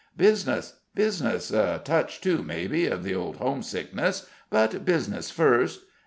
"Business, business: a touch, too, maybe, of the old homesickness: but business first.